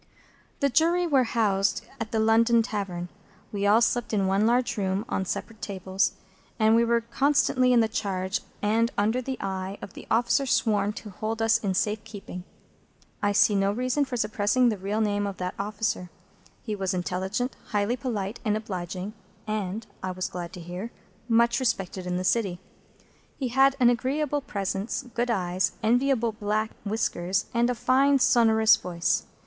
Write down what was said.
The Jury were housed at the London Tavern. We all slept in one large room on separate tables, and we were constantly in the charge and under the eye of the officer sworn to hold us in safe keeping. I see no reason for suppressing the real name of that officer. He was intelligent, highly polite, and obliging, and (I was glad to hear) much respected in the City. He had an agreeable presence, good eyes, enviable black whiskers, and a fine sonorous voice.